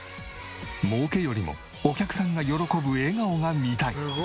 もうけよりもお客さんが喜ぶ笑顔が見たい。